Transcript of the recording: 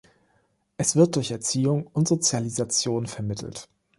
Es wird durch Erziehung und Sozialisation vermittelt.